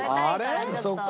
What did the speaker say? そっか。